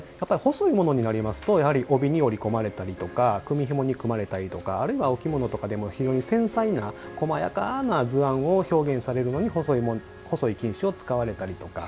細いものになりますと帯に組み込まれたりとか組紐に組まれたりお着物とかでも繊細なこまやかな図案を表現されるのに細い金糸を使われたりとか。